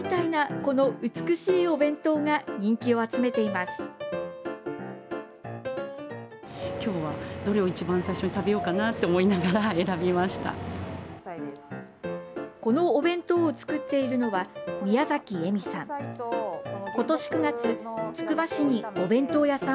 このお弁当を作っているのは、宮崎絵美さん。